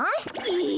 え！